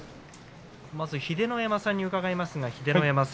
まず秀ノ山さんに伺います。